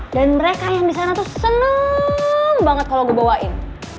dan mereka yang disana tuh seneng banget kalo gue bawain